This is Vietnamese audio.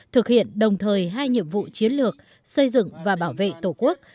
thực hiện đồng thời hai nhiệm vụ chiến lược xây dựng và bảo vệ tổ quốc